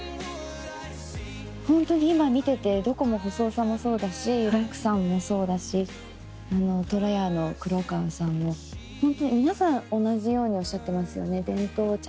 ホントに今見ててどこも細尾さんもそうだし樂さんもそうだしとらやの黒川さんもホントに皆さん同じようにおっしゃってますよね。